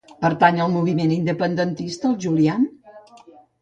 Pertany al moviment independentista el Julián?